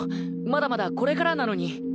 まだまだこれからなのに。